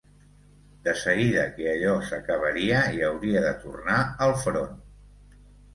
De seguida que allò s'acabaria i hauria de tornar al front.